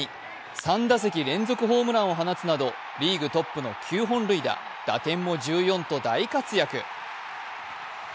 ３打席連続ホームランを放つなどリーグトップの９本塁打、打点も１４と大活躍。